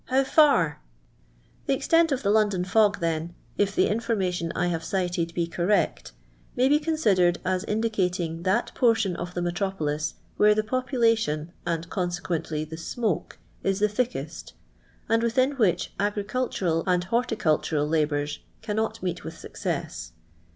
Hmv/arf" The extent of the London fog, then, if the informa tion 1 have cited be correct, may be considered as in dicating that portion of the metropolis where the population, and consequently the smoke, is the thickest, and within which agricultural and horticultural la bours cannot meet with success.